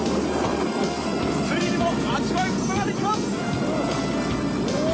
スリルも味わうことができます。